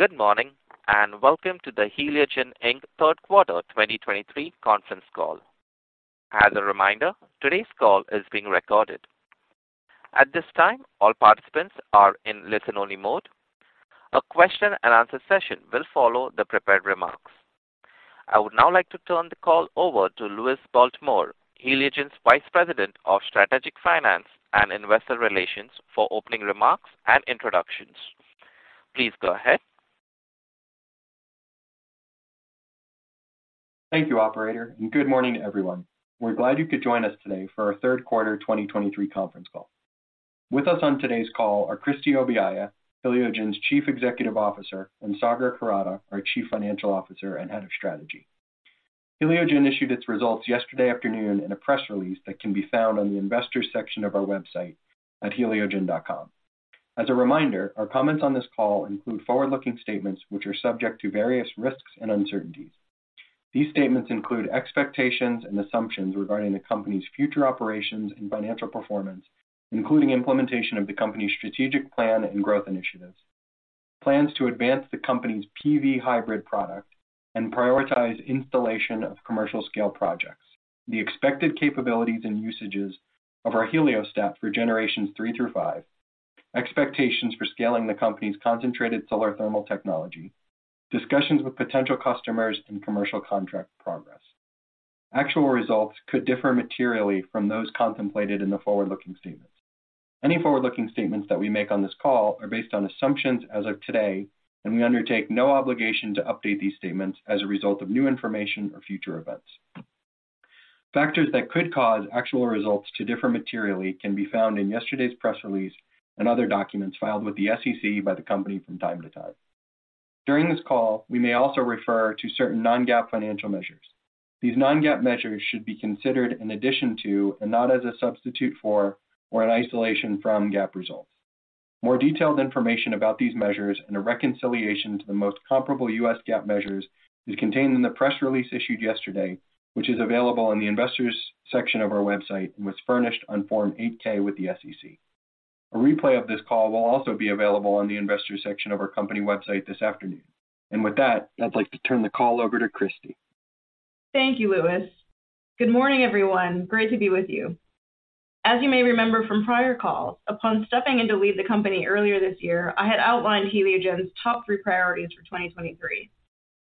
Good morning, and welcome to the Heliogen, Inc. third quarter 2023 Conference Call. As a reminder, today's call is being recorded. At this time, all participants are in listen-only mode. A question-and-answer session will follow the prepared remarks. I would now like to turn the call over to Louis Baltimore, Heliogen's Vice President of Strategic Finance and Investor Relations, for opening remarks and introductions. Please go ahead. Thank you, operator, and good morning, everyone. We're glad you could join us today for our third quarter 2023 conference call. With us on today's call are Christie Obiaya, Heliogen's Chief Executive Officer, and Sagar Kurada, our Chief Financial Officer and Head of Strategy. Heliogen issued its results yesterday afternoon in a press release that can be found on the investors section of our website at heliogen.com. As a reminder, our comments on this call include forward-looking statements which are subject to various risks and uncertainties. These statements include expectations and assumptions regarding the company's future operations and financial performance, including implementation of the company's strategic plan and growth initiatives, plans to advance the company's PV hybrid products and prioritize installation of commercial scale projects, the expected capabilities and usages of our heliostat for Generations 3 through 5, expectations for scaling the company's concentrated solar thermal technology, discussions with potential customers, and commercial contract progress. Actual results could differ materially from those contemplated in the forward-looking statements. Any forward-looking statements that we make on this call are based on assumptions as of today, and we undertake no obligation to update these statements as a result of new information or future events. Factors that could cause actual results to differ materially can be found in yesterday's press release and other documents filed with the SEC by the company from time to time. During this call, we may also refer to certain non-GAAP financial measures. These non-GAAP measures should be considered in addition to, and not as a substitute for, or an isolation from GAAP results. More detailed information about these measures and a reconciliation to the most comparable U.S. GAAP measures is contained in the press release issued yesterday, which is available on the investors section of our website and was furnished on Form 8-K with the SEC. A replay of this call will also be available on the investors section of our company website this afternoon. With that, I'd like to turn the call over to Christie. Thank you, Louis. Good morning, everyone. Great to be with you. As you may remember from prior calls, upon stepping in to lead the company earlier this year, I had outlined Heliogen's top three priorities for 2023.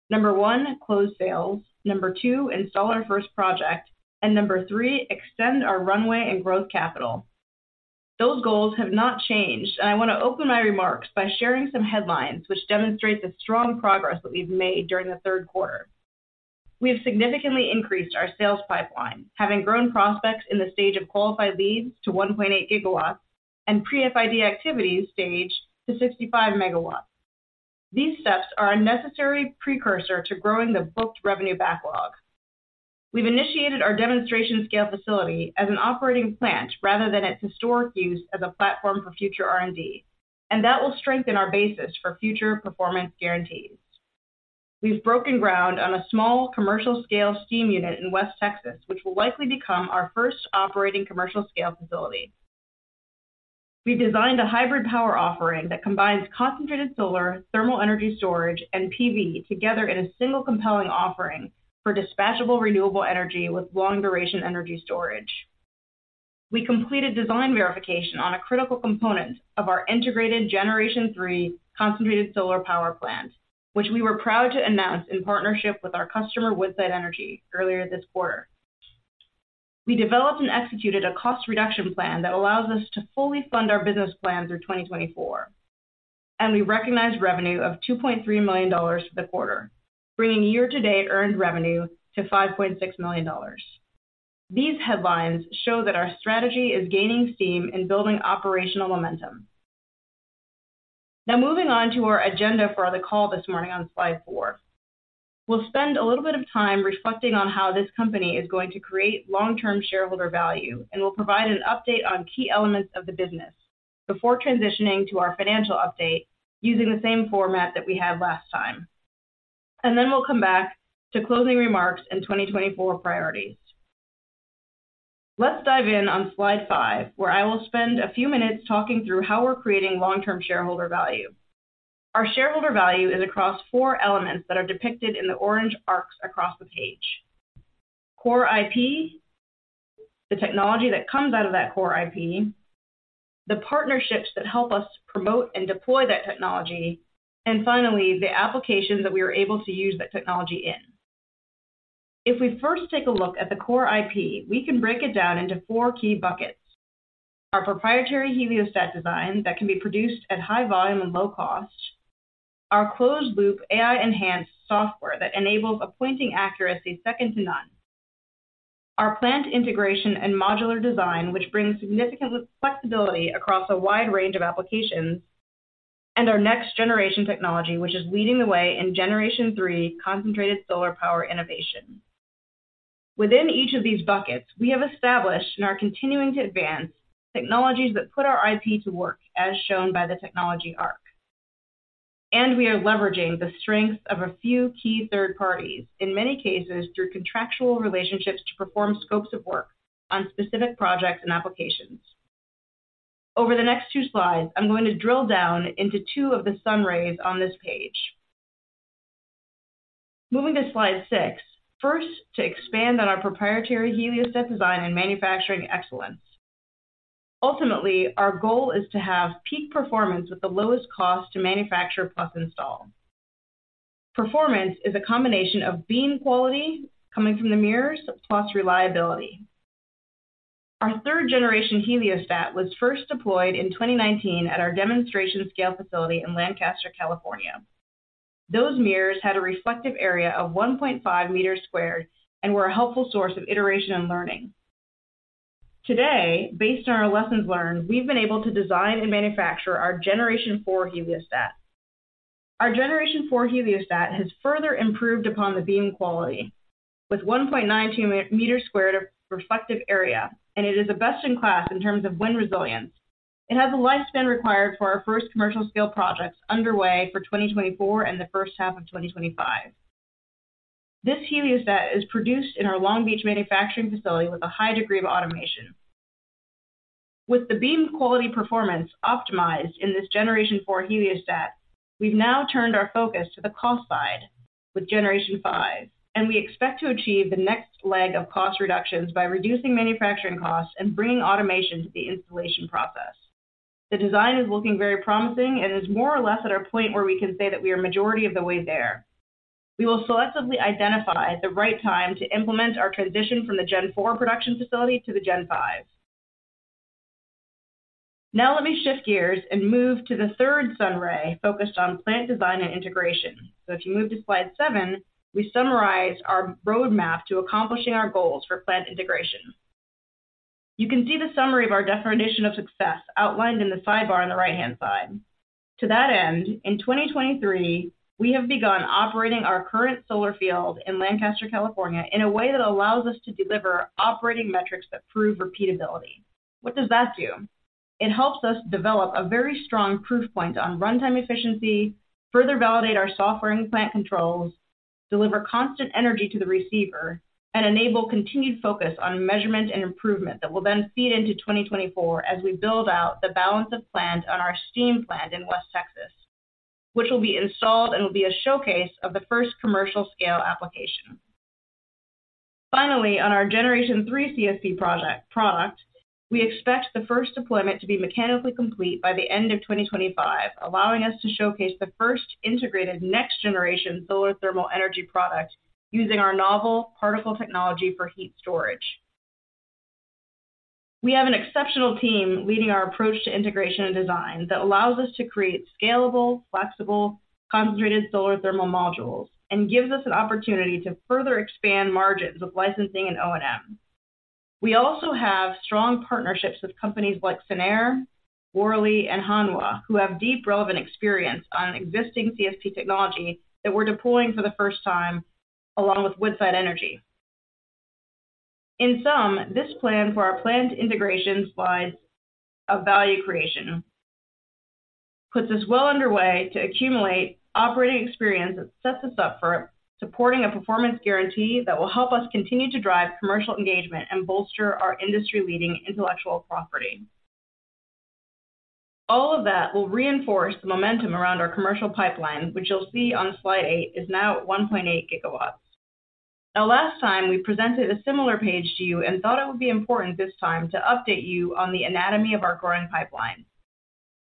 Number one, close sales. Number two, install our first project. And number three, extend our runway and growth capital. Those goals have not changed, and I want to open my remarks by sharing some headlines which demonstrate the strong progress that we've made during the third quarter. We have significantly increased our sales pipeline, having grown prospects in the stage of qualified leads to 1.8 gigawatts and pre-FID activities stage to 65 MW. These steps are a necessary precursor to growing the booked revenue backlog. We've initiated our demonstration scale facility as an operating plant rather than its historic use as a platform for future R&D, and that will strengthen our basis for future performance guarantees. We've broken ground on a small commercial scale steam unit in West Texas, which will likely become our first operating commercial scale facility. We've designed a hybrid power offering that combines concentrated solar, thermal energy storage, and PV together in a single compelling offering for dispatchable, renewable energy with long-duration energy storage. We completed design verification on a critical component of our integrated Generation 3 concentrated solar power plant, which we were proud to announce in partnership with our customer, Woodside Energy, earlier this quarter. We developed and executed a cost reduction plan that allows us to fully fund our business plan through 2024, and we recognized revenue of $2.3 million for the quarter, bringing year-to-date earned revenue to $5.6 million. These headlines show that our strategy is gaining steam and building operational momentum. Now, moving on to our agenda for the call this morning on slide four. We'll spend a little bit of time reflecting on how this company is going to create long-term shareholder value, and we'll provide an update on key elements of the business before transitioning to our financial update, using the same format that we had last time. And then we'll come back to closing remarks and 2024 priorities. Let's dive in on slide five, where I will spend a few minutes talking through how we're creating long-term shareholder value. Our shareholder value is across four elements that are depicted in the orange arcs across the page. Core IP, the technology that comes out of that core IP, the partnerships that help us promote and deploy that technology, and finally, the applications that we are able to use that technology in. If we first take a look at the core IP, we can break it down into four key buckets: Our proprietary heliostat design that can be produced at high volume and low cost, our closed-loop AI-enhanced software that enables a pointing accuracy second to none, our plant integration and modular design, which brings significant flexibility across a wide range of applications, and our next generation technology, which is leading the way in Generation 3 concentrated solar power innovation. Within each of these buckets, we have established and are continuing to advance technologies that put our IP to work, as shown by the technology arc. We are leveraging the strengths of a few key third parties, in many cases, through contractual relationships, to perform scopes of work on specific projects and applications. Over the next two slides, I'm going to drill down into two of the sun rays on this page. Moving to slide six. First, to expand on our proprietary heliostat design and manufacturing excellence. Ultimately, our goal is to have peak performance with the lowest cost to manufacture plus install. Performance is a combination of beam quality coming from the mirrors, plus reliability. Our third-generation heliostat was first deployed in 2019 at our demonstration scale facility in Lancaster, California. Those mirrors had a reflective area of 1.5 square meters and were a helpful source of iteration and learning. Today, based on our lessons learned, we've been able to design and manufacture our Generation 4 heliostat. Our Generation 4 heliostat has further improved upon the beam quality, with 1.92 square meters of reflective area, and it is the best in class in terms of wind resilience. It has a lifespan required for our first commercial scale projects underway for 2024 and the first half of 2025. This heliostat is produced in our Long Beach manufacturing facility with a high degree of automation. With the beam quality performance optimized in this Generation 4 heliostat, we've now turned our focus to the cost side with Generation 5, and we expect to achieve the next leg of cost reductions by reducing manufacturing costs and bringing automation to the installation process. The design is looking very promising and is more or less at a point where we can say that we are majority of the way there. We will selectively identify the right time to implement our transition from the Gen 4 production facility to the Gen 5. Now let me shift gears and move to the third sunray focused on plant design and integration. So if you move to slide seven, we summarized our roadmap to accomplishing our goals for plant integration. You can see the summary of our definition of success outlined in the sidebar on the right-hand side. To that end, in 2023, we have begun operating our current solar field in Lancaster, California, in a way that allows us to deliver operating metrics that prove repeatability. What does that do? It helps us develop a very strong proof point on runtime efficiency, further validate our software and plant controls, deliver constant energy to the receiver, and enable continued focus on measurement and improvement that will then feed into 2024 as we build out the balance of plant on our steam plant in West Texas, which will be installed and will be a showcase of the first commercial scale application. Finally, on our Generation 3 CSP project, product, we expect the first deployment to be mechanically complete by the end of 2025, allowing us to showcase the first integrated next generation solar thermal energy product using our novel particle technology for heat storage. We have an exceptional team leading our approach to integration and design that allows us to create scalable, flexible, concentrated solar thermal modules, and gives us an opportunity to further expand margins with licensing and O&M. We also have strong partnerships with companies like Sener, Worley and Hanwha, who have deep relevant experience on existing CSP technology that we're deploying for the first time, along with Woodside Energy. In sum, this plan for our planned integration slides of value creation, puts us well underway to accumulate operating experience that sets us up for supporting a performance guarantee that will help us continue to drive commercial engagement and bolster our industry-leading intellectual property. All of that will reinforce the momentum around our commercial pipeline, which you'll see on slide eight, is now at 1.8 gigawatts. Now, last time, we presented a similar page to you and thought it would be important this time to update you on the anatomy of our growing pipeline.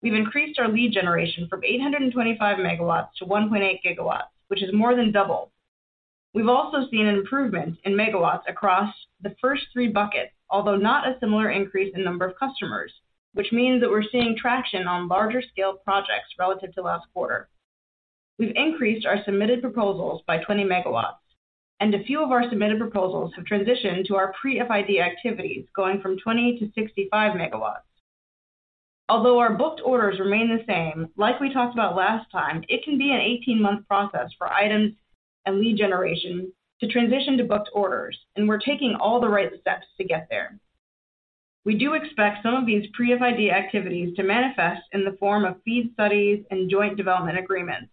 We've increased our lead generation from 825 MW-1.8 MW, which is more than double. We've also seen an improvement in megawatts across the first three buckets, although not a similar increase in number of customers, which means that we're seeing traction on larger scale projects relative to last quarter. We've increased our submitted proposals by 20 MW, and a few of our submitted proposals have transitioned to our pre-FID activities, going from 20-65 MW. Although our booked orders remain the same, like we talked about last time, it can be an 18-month process for items and lead generation to transition to booked orders, and we're taking all the right steps to get there. We do expect some of these pre-FID activities to manifest in the form of FEED studies and joint development agreements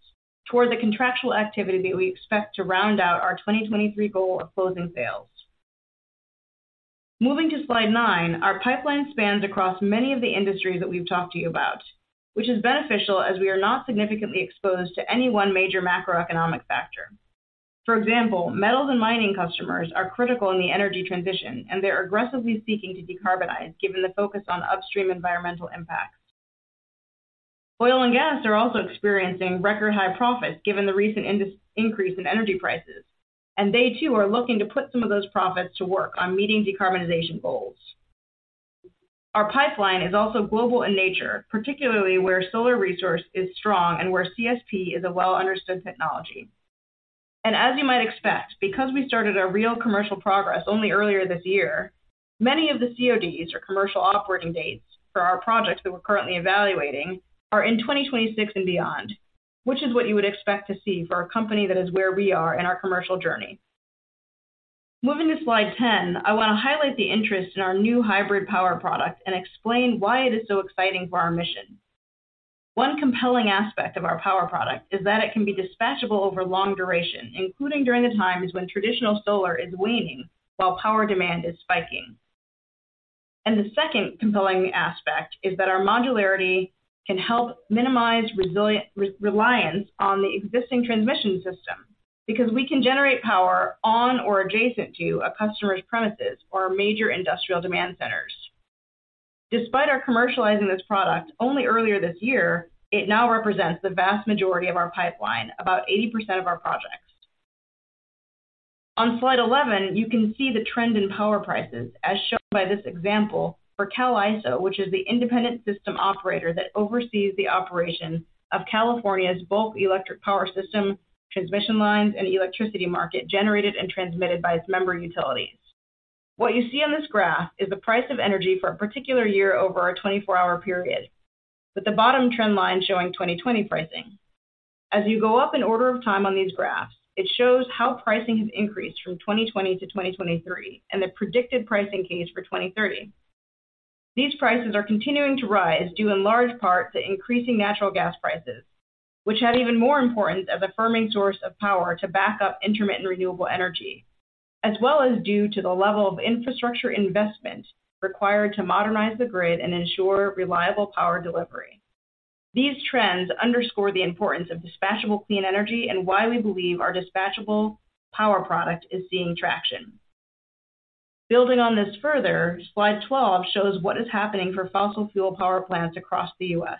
toward the contractual activity that we expect to round out our 2023 goal of closing sales. Moving to slide nine, our pipeline spans across many of the industries that we've talked to you about, which is beneficial as we are not significantly exposed to any one major macroeconomic factor. For example, metals and mining customers are critical in the energy transition, and they're aggressively seeking to decarbonize, given the focus on upstream environmental impacts. Oil and gas are also experiencing record-high profits, given the recent increase in energy prices, and they, too, are looking to put some of those profits to work on meeting decarbonization goals. Our pipeline is also global in nature, particularly where solar resource is strong and where CSP is a well-understood technology. As you might expect, because we started our real commercial progress only earlier this year, many of the CODs or commercial operating dates for our projects that we're currently evaluating are in 2026 and beyond, which is what you would expect to see for a company that is where we are in our commercial journey. Moving to slide 10, I want to highlight the interest in our new hybrid power product and explain why it is so exciting for our mission... One compelling aspect of our power product is that it can be dispatchable over long duration, including during the times when traditional solar is waning, while power demand is spiking. The second compelling aspect is that our modularity can help minimize reliance on the existing transmission system, because we can generate power on or adjacent to a customer's premises or major industrial demand centers. Despite our commercializing this product only earlier this year, it now represents the vast majority of our pipeline, about 80% of our projects. On slide 11, you can see the trend in power prices, as shown by this example for Cal ISO, which is the independent system operator that oversees the operation of California's bulk electric power system, transmission lines, and electricity market generated and transmitted by its member utilities. What you see on this graph is the price of energy for a particular year over a 24-hour period, with the bottom trend line showing 2020 pricing. As you go up in order of time on these graphs, it shows how pricing has increased from 2020 to 2023, and the predicted pricing case for 2030. These prices are continuing to rise, due in large part to increasing natural gas prices, which have even more importance as a firming source of power to back up intermittent renewable energy, as well as due to the level of infrastructure investment required to modernize the grid and ensure reliable power delivery. These trends underscore the importance of dispatchable clean energy and why we believe our dispatchable power product is seeing traction. Building on this further, Slide 12 shows what is happening for fossil fuel power plants across the U.S.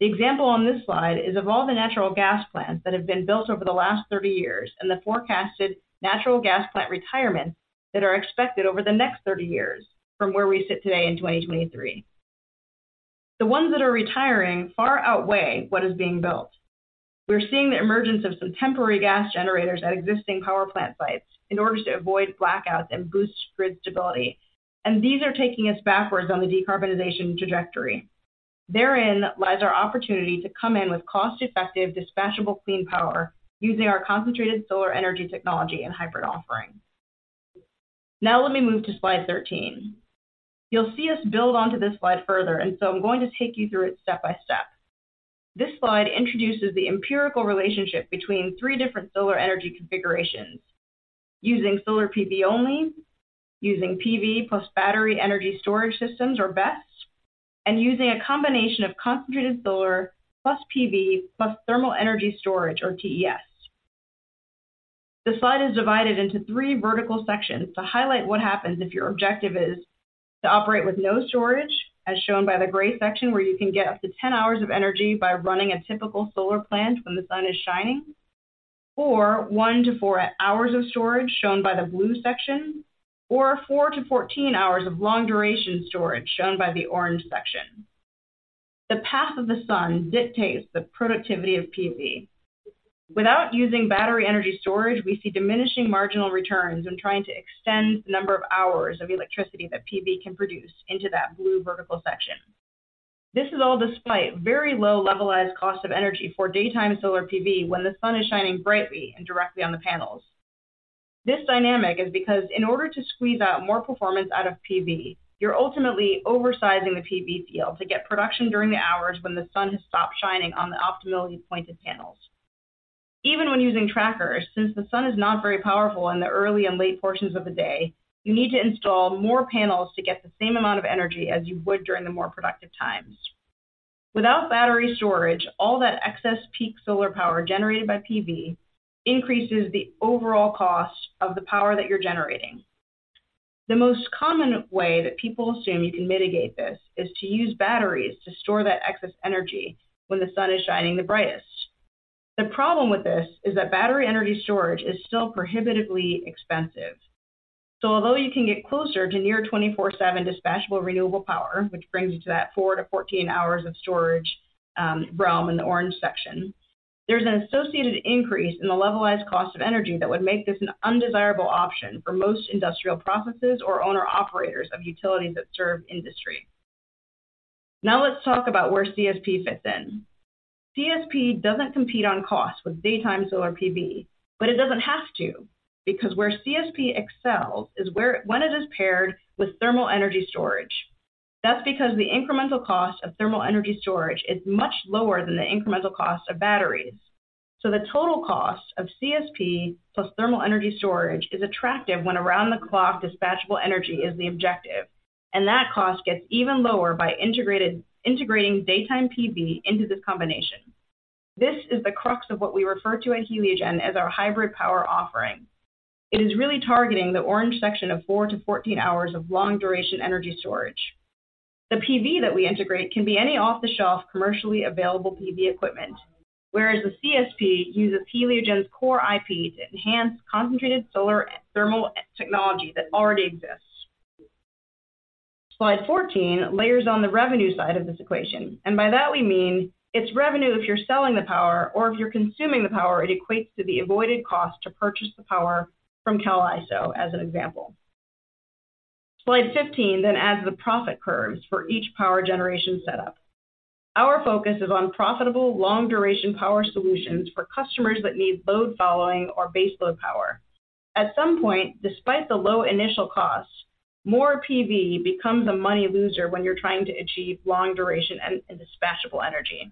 The example on this slide is of all the natural gas plants that have been built over the last 30 years, and the forecasted natural gas plant retirements that are expected over the next 30 years from where we sit today in 2023. The ones that are retiring far outweigh what is being built. We're seeing the emergence of some temporary gas generators at existing power plant sites in order to avoid blackouts and boost grid stability, and these are taking us backwards on the decarbonization trajectory. Therein lies our opportunity to come in with cost-effective, dispatchable, clean power using our concentrated solar energy technology and hybrid offering. Now, let me move to slide 13. You'll see us build onto this slide further, and so I'm going to take you through it step by step. This slide introduces the empirical relationship between three different solar energy configurations: using solar PV only, using PV plus battery energy storage systems, or BESS, and using a combination of concentrated solar plus PV plus thermal energy storage, or TES. The slide is divided into three vertical sections to highlight what happens if your objective is to operate with no storage, as shown by the gray section, where you can get up to 10 hours of energy by running a typical solar plant when the sun is shining, or one-four hours of storage, shown by the blue section, or 4-14 hours of long-duration storage, shown by the orange section. The path of the sun dictates the productivity of PV. Without using battery energy storage, we see diminishing marginal returns in trying to extend the number of hours of electricity that PV can produce into that blue vertical section. This is all despite very low levelized cost of energy for daytime solar PV when the sun is shining brightly and directly on the panels. This dynamic is because in order to squeeze out more performance out of PV, you're ultimately oversizing the PV field to get production during the hours when the sun has stopped shining on the optimally pointed panels. Even when using trackers, since the sun is not very powerful in the early and late portions of the day, you need to install more panels to get the same amount of energy as you would during the more productive times. Without battery storage, all that excess peak solar power generated by PV increases the overall cost of the power that you're generating. The most common way that people assume you can mitigate this is to use batteries to store that excess energy when the sun is shining the brightest. The problem with this is that battery energy storage is still prohibitively expensive. So although you can get closer to near 24/7 dispatchable renewable power, which brings you to that 4-14 hours of storage realm in the orange section, there's an associated increase in the levelized cost of energy that would make this an undesirable option for most industrial processes or owner-operators of utilities that serve industry. Now, let's talk about where CSP fits in. CSP doesn't compete on cost with daytime solar PV, but it doesn't have to, because where CSP excels is when it is paired with thermal energy storage. That's because the incremental cost of thermal energy storage is much lower than the incremental cost of batteries. So the total cost of CSP plus thermal energy storage is attractive when around-the-clock dispatchable energy is the objective, and that cost gets even lower by integrating daytime PV into this combination. This is the crux of what we refer to at Heliogen as our hybrid power offering. It is really targeting the orange section of 4-14 hours of long-duration energy storage. The PV that we integrate can be any off-the-shelf, commercially available PV equipment, whereas the CSP uses Heliogen's core IP to enhance concentrated solar thermal technology that already exists. Slide 14 layers on the revenue side of this equation, and by that we mean it's revenue if you're selling the power, or if you're consuming the power, it equates to the avoided cost to purchase the power from Cal ISO, as an example. Slide 15 then adds the profit curves for each power generation setup. Our focus is on profitable, long-duration power solutions for customers that need load following or baseload power. At some point, despite the low initial costs, more PV becomes a money loser when you're trying to achieve long duration and dispatchable energy.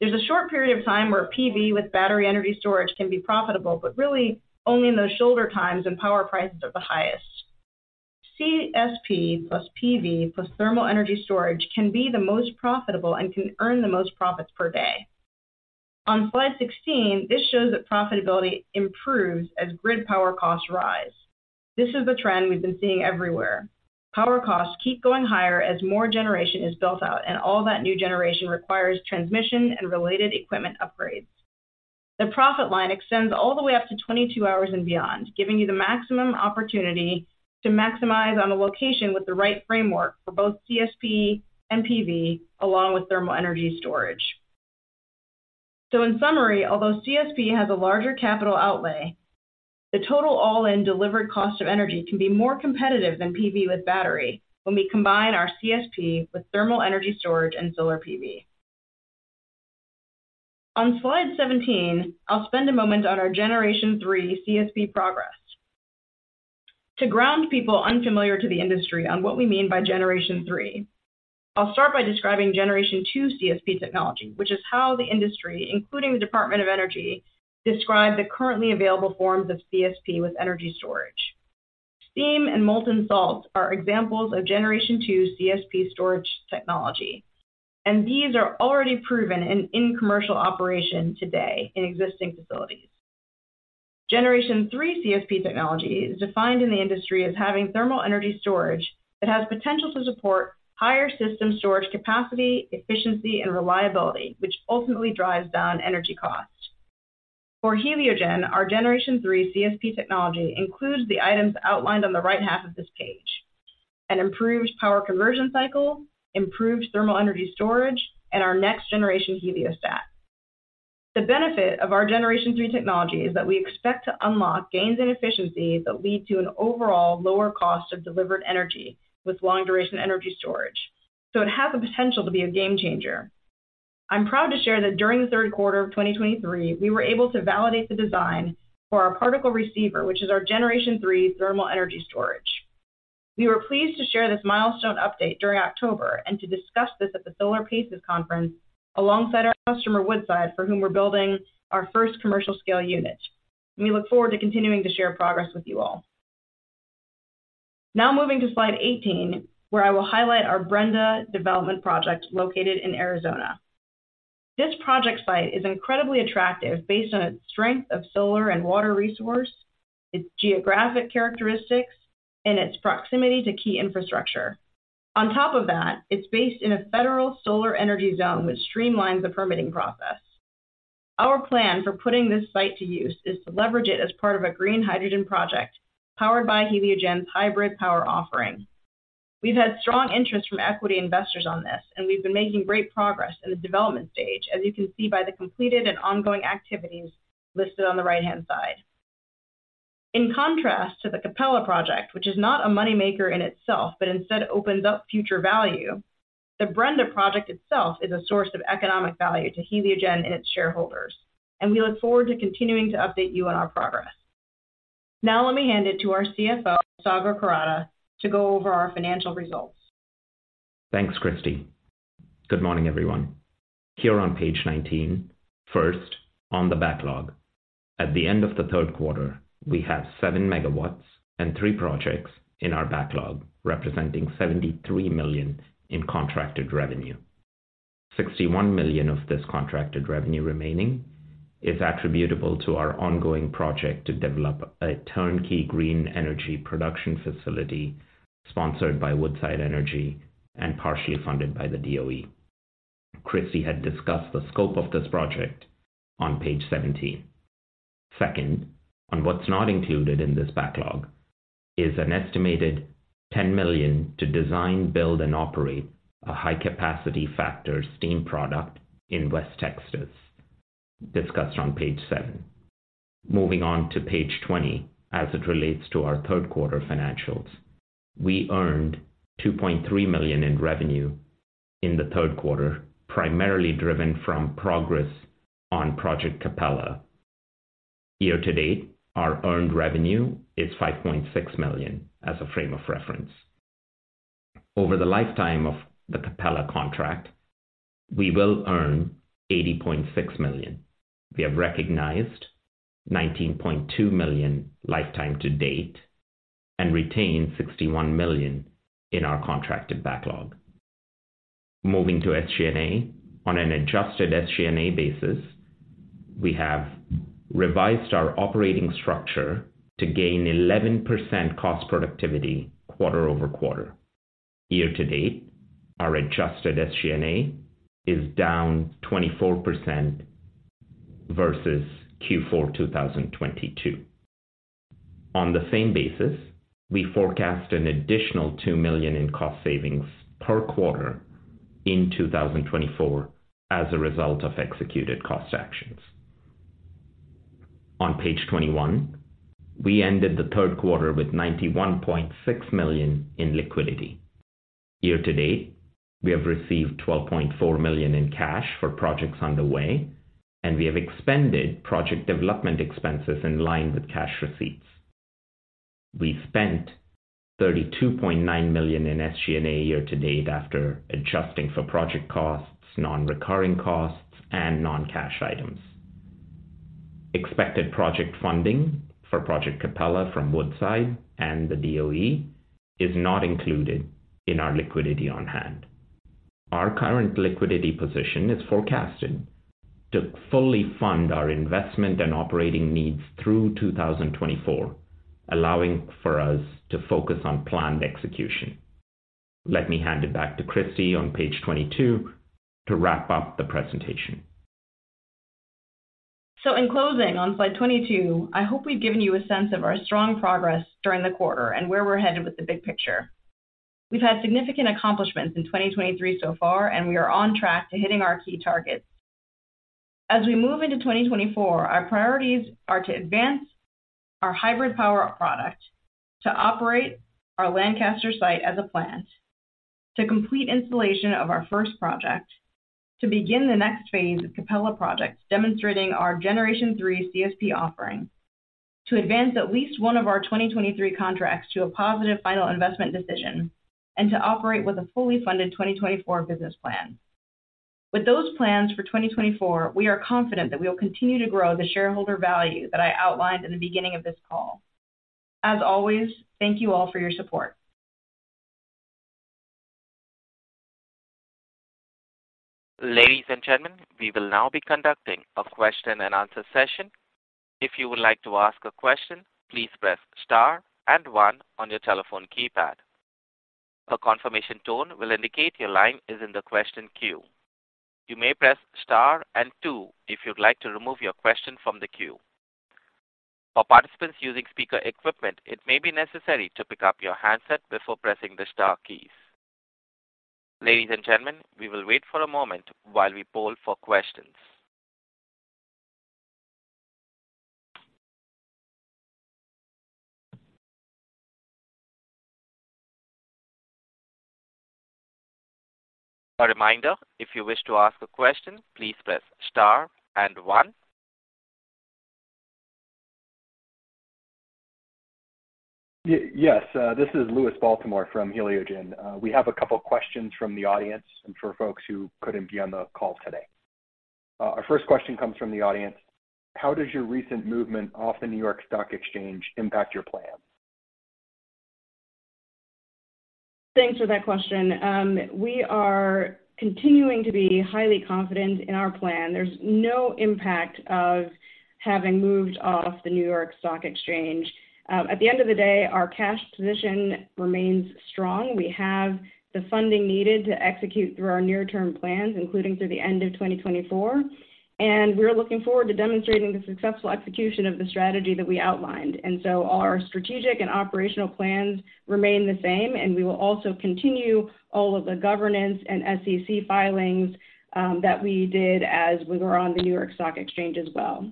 There's a short period of time where PV with battery energy storage can be profitable, but really only in those shoulder times when power prices are the highest. CSP plus PV plus thermal energy storage can be the most profitable and can earn the most profits per day. On slide 16, this shows that profitability improves as grid power costs rise. This is the trend we've been seeing everywhere. Power costs keep going higher as more generation is built out, and all that new generation requires transmission and related equipment upgrades. The profit line extends all the way up to 22 hours and beyond, giving you the maximum opportunity to maximize on a location with the right framework for both CSP and PV, along with thermal energy storage. So in summary, although CSP has a larger capital outlay, the total all-in delivered cost of energy can be more competitive than PV with battery when we combine our CSP with thermal energy storage and solar PV. On slide 17, I'll spend a moment on our Generation 3 CSP progress. To ground people unfamiliar to the industry on what we mean by Generation 3, I'll start by describing Generation 2 CSP technology, which is how the industry, including the Department of Energy, describe the currently available forms of CSP with energy storage. Steam and molten salts are examples of Generation 2 CSP storage technology, and these are already proven and in commercial operation today in existing facilities. Generation 3 CSP technology is defined in the industry as having thermal energy storage that has potential to support higher system storage capacity, efficiency, and reliability, which ultimately drives down energy costs. For Heliogen, our Generation 3 CSP technology includes the items outlined on the right half of this page: an improved power conversion cycle, improved thermal energy storage, and our next-generation heliostat. The benefit of our Generation 3 technology is that we expect to unlock gains and efficiency that lead to an overall lower cost of delivered energy with long duration energy storage. So it has the potential to be a game changer. I'm proud to share that during the third quarter of 2023, we were able to validate the design for our particle receiver, which is our Generation 3 thermal energy storage. We were pleased to share this milestone update during October and to discuss this at the SolarPACES Conference alongside our customer, Woodside, for whom we're building our first commercial scale unit. We look forward to continuing to share progress with you all. Now moving to slide 18, where I will highlight our Brenda development project located in Arizona. This project site is incredibly attractive based on its strength of solar and water resource, its geographic characteristics, and its proximity to key infrastructure. On top of that, it's based in a federal Solar Energy Zone, which streamlines the permitting process. Our plan for putting this site to use is to leverage it as part of a green hydrogen project powered by Heliogen's hybrid power offering. We've had strong interest from equity investors on this, and we've been making great progress in the development stage, as you can see by the completed and ongoing activities listed on the right-hand side. In contrast to the Capella project, which is not a money maker in itself, but instead opens up future value, the Brenda project itself is a source of economic value to Heliogen and its shareholders, and we look forward to continuing to update you on our progress. Now let me hand it to our CFO, Sagar Kurada, to go over our financial results. Thanks, Christie. Good morning, everyone. Here on page 19, first, on the backlog. At the end of the third quarter, we have 7 MW and 3 projects in our backlog, representing $73 million in contracted revenue. $61 million of this contracted revenue remaining is attributable to our ongoing project to develop a turnkey green energy production facility sponsored by Woodside Energy and partially funded by the DOE. Christie had discussed the scope of this project on page 17. Second, on what's not included in this backlog, is an estimated $10 million to design, build, and operate a high capacity factor steam product in West Texas, discussed on page seven. Moving on to page 20, as it relates to our third quarter financials. We earned $2.3 million in revenue in the third quarter, primarily driven from progress on Project Capella. Year to date, our earned revenue is $5.6 million, as a frame of reference. Over the lifetime of the Capella contract, we will earn $80.6 million. We have recognized $19.2 million lifetime to date and retain $61 million in our contracted backlog. Moving to SG&A. On an adjusted SG&A basis, we have revised our operating structure to gain 11% cost productivity quarter-over-quarter. Year to date, our adjusted SG&A is down 24% versus Q4 2022. On the same basis, we forecast an additional $2 million in cost savings per quarter in 2024 as a result of executed cost actions. On page 21, we ended the third quarter with $91.6 million in liquidity. Year-to-date, we have received $12.4 million in cash for projects on the way, and we have expended project development expenses in line with cash receipts. We spent $32.9 million in SG&A year-to-date after adjusting for project costs, non-recurring costs, and non-cash items. Expected project funding for Project Capella from Woodside and the DOE is not included in our liquidity on hand. Our current liquidity position is forecasted to fully fund our investment and operating needs through 2024, allowing for us to focus on planned execution. Let me hand it back to Christie on page 22 to wrap up the presentation. So in closing, on slide 22, I hope we've given you a sense of our strong progress during the quarter and where we're headed with the big picture. We've had significant accomplishments in 2023 so far, and we are on track to hitting our key targets. As we move into 2024, our priorities are to advance our hybrid power product, to operate our Lancaster site as a plant, to complete installation of our first project, to begin the next phase of Capella projects, demonstrating our Generation 3 CSP offering, to advance at least one of our 2023 contracts to a positive Final Investment Decision, and to operate with a fully funded 2024 business plan. With those plans for 2024, we are confident that we will continue to grow the shareholder value that I outlined in the beginning of this call. As always, thank you all for your support. Ladies and gentlemen, we will now be conducting a question and answer session. If you would like to ask a question, please press star and one on your telephone keypad. A confirmation tone will indicate your line is in the question queue. You may press star and two if you'd like to remove your question from the queue. For participants using speaker equipment, it may be necessary to pick up your handset before pressing the star keys. Ladies and gentlemen, we will wait for a moment while we poll for questions. A reminder, if you wish to ask a question, please press star and one. Yes, this is Louis Baltimore from Heliogen. We have a couple of questions from the audience and for folks who couldn't be on the call today. Our first question comes from the audience: How does your recent movement off the New York Stock Exchange impact your plan? Thanks for that question. We are continuing to be highly confident in our plan. There's no impact of having moved off the New York Stock Exchange. At the end of the day, our cash position remains strong. We have the funding needed to execute through our near-term plans, including through the end of 2024, and we're looking forward to demonstrating the successful execution of the strategy that we outlined. And so our strategic and operational plans remain the same, and we will also continue all of the governance and SEC filings that we did as we were on the New York Stock Exchange as well.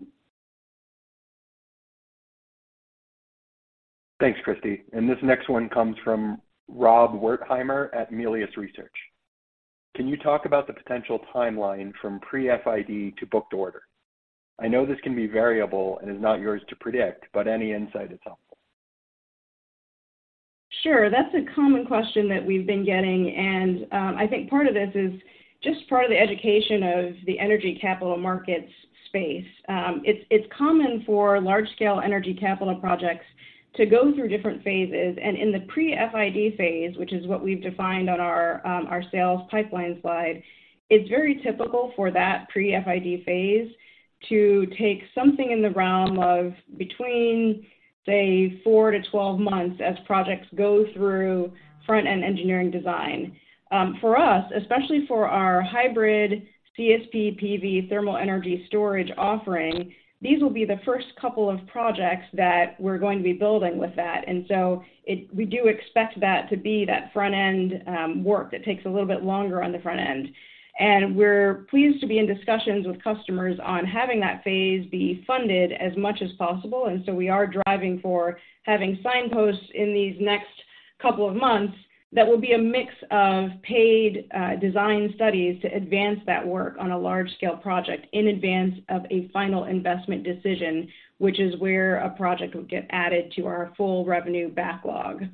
Thanks, Christie. And this next one comes from Rob Wertheimer at Melius Research. Can you talk about the potential timeline from pre-FID to booked order? I know this can be variable and is not yours to predict, but any insight is helpful. Sure. That's a common question that we've been getting, and I think part of this is just part of the education of the energy capital markets space. It's common for large-scale energy capital projects to go through different phases, and in the pre-FID phase, which is what we've defined on our sales pipeline slide, it's very typical for that pre-FID phase to take something in the realm of between, say, 4-12 months as projects go through front-end engineering design. For us, especially for our hybrid CSP, PV, thermal energy storage offering, these will be the first couple of projects that we're going to be building with that. And so we do expect that to be that front-end work that takes a little bit longer on the front end. We're pleased to be in discussions with customers on having that phase be funded as much as possible, and so we are driving for having signposts in these next couple of months. That will be a mix of paid design studies to advance that work on a large-scale project in advance of a final investment decision, which is where a project would get added to our full revenue backlog.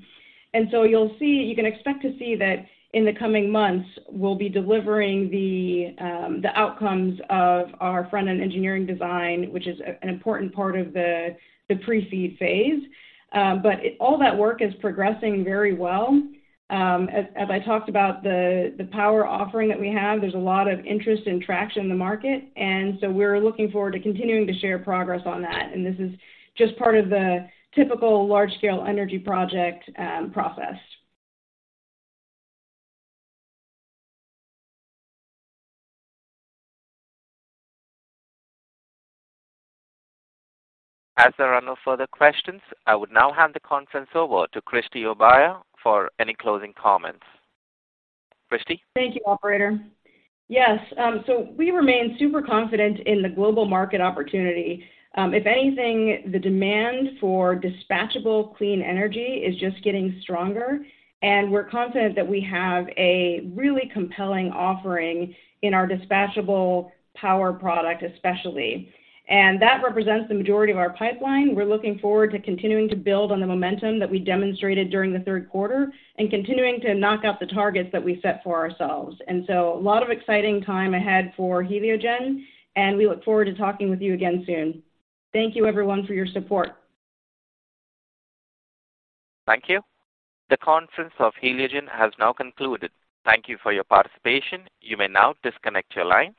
You'll see... You can expect to see that in the coming months, we'll be delivering the outcomes of our front-end engineering design, which is an important part of the pre-FEED phase. But all that work is progressing very well. As I talked about the power offering that we have, there's a lot of interest and traction in the market, and so we're looking forward to continuing to share progress on that. This is just part of the typical large-scale energy project process. As there are no further questions, I would now hand the conference over to Christie Obiaya for any closing comments. Christie? Thank you, operator. Yes, so we remain super confident in the global market opportunity. If anything, the demand for dispatchable clean energy is just getting stronger, and we're confident that we have a really compelling offering in our dispatchable power product, especially. And that represents the majority of our pipeline. We're looking forward to continuing to build on the momentum that we demonstrated during the third quarter and continuing to knock out the targets that we set for ourselves. And so a lot of exciting time ahead for Heliogen, and we look forward to talking with you again soon. Thank you, everyone, for your support. Thank you. The conference of Heliogen has now concluded. Thank you for your participation. You may now disconnect your line.